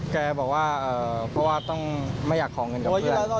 แกบอกว่าเพราะว่าต้องไม่อยากขอเงินกับเพื่อน